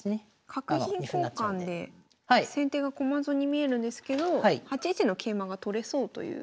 角銀交換で先手が駒損に見えるんですけど８一の桂馬が取れそうという。